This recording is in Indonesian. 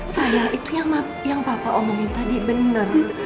saya itu yang papa omongin tadi benar